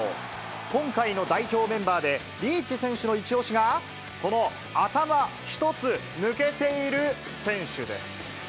今回の代表メンバーで、リーチ選手の一押しがこの頭一つ抜けている選手です。